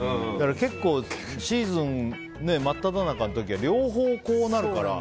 結構、シーズン真っただ中の時は両方、こうなるから。